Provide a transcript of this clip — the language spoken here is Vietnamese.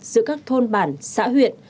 giữa các thôn bản xã huyện